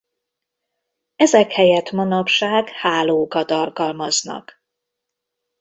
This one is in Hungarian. Ezek helyett manapság hálókat alkalmaznak.